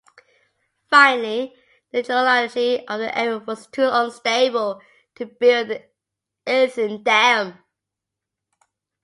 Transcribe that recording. Finally, the geology of the area was too unstable to build the earthen dam.